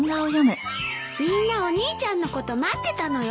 みんなお兄ちゃんのこと待ってたのよ。